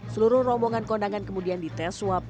seluruh rombongan kondangan kemudian dites swab